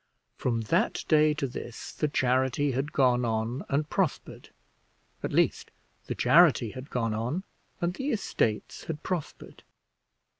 From that day to this the charity had gone on and prospered at least, the charity had gone on, and the estates had prospered.